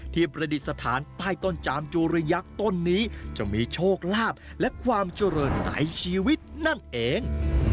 ประดิษฐานใต้ต้นจามจุริยักษ์ต้นนี้จะมีโชคลาภและความเจริญในชีวิตนั่นเอง